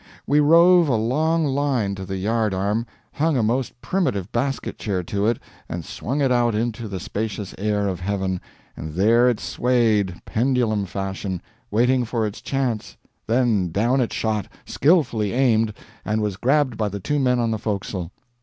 We rove a long line to the yard arm, hung a most primitive basketchair to it and swung it out into the spacious air of heaven, and there it swayed, pendulum fashion, waiting for its chance then down it shot, skillfully aimed, and was grabbed by the two men on the forecastle.